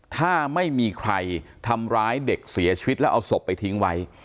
ถ้าไม่มีใครทำร้ายเด็กเสียชีวิตแล้วเอาศพไปทิ้งไว้